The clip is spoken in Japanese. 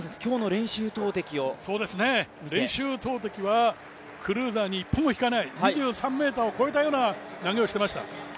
練習投てきはクルーザーに一歩も引かない２３ｍを越えたような投げをしてました。